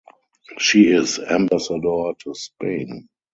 She is Ambassador to Spain.